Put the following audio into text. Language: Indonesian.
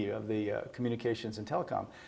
tentang komunikasi dan telekom